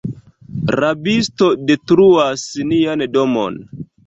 Rabisto detruas nian domon!